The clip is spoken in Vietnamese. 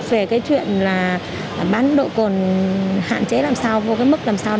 về cái chuyện là bán độ cồn hạn chế làm sao vô cái mức làm sao